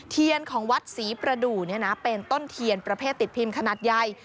เทียนของวัดศรีประดูกเป็นต้นเทียนประเภทติดพิมพ์ขนาดใหญ่